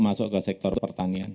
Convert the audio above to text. masuk ke sektor pertanian